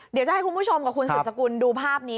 เดี๋ยวจะให้คุณผู้ชมกับคุณสุดสกุลดูภาพนี้